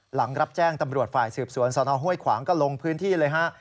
หลังรับแจ้งตำรวจฝ่ายสืบสวนสนห้วยขวางก็ลงพื้นที่เลยฮะ